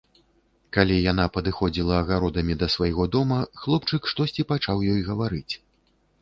Калі яна падыходзіла агародамі да свайго дома, хлопчык штосьці пачаў ёй гаварыць.